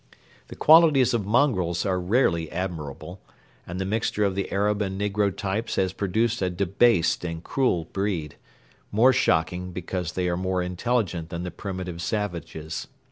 The qualities of mongrels are rarely admirable, and the mixture of the Arab and negro types has produced a debased and cruel breed, more shocking because they are more intelligent than the primitive savages.